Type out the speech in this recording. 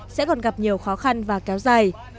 sẽ còn gặp nhiều khó khăn và kéo dài